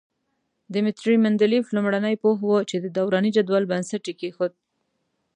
دیمتري مندلیف لومړنی پوه وو چې د دوراني جدول بنسټ یې کېښود.